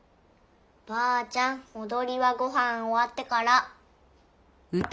ばあちゃんおどりはごはんおわってから。